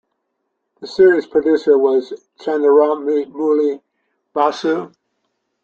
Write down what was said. The Series Producer was Chandramouli Basu.